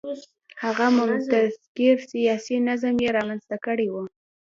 هغه متمرکز سیاسي نظام یې رامنځته کړی و.